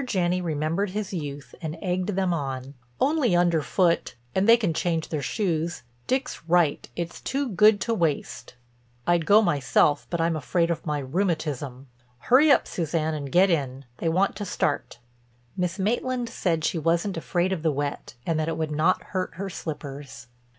Janney remembered his youth and egged them on: "Only underfoot and they can change their shoes. Dick's right—it's too good to waste. I'd go myself but I'm afraid of my rheumatism. Hurry up, Suzanne, and get in. They want to start." Miss Maitland said she wasn't afraid of the wet and that it would not hurt her slippers.